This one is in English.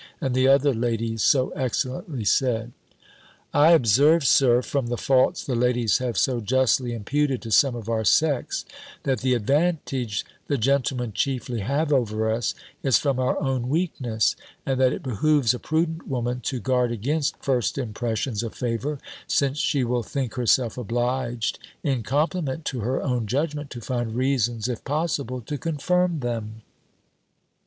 and the other ladies so excellently said." "I observe. Sir, from the faults the ladies have so justly imputed to some of our sex, that the advantage the gentlemen chiefly have over us, is from our own weakness: and that it behoves a prudent woman to guard against first impressions of favour, since she will think herself obliged, in compliment to her own judgment, to find reasons, if possible, to confirm them.